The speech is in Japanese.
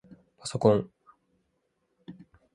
ぱそこん